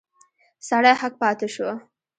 سړی هک پاته شو.